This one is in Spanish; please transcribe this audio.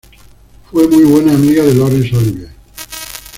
Fue muy buena amiga de Laurence Olivier.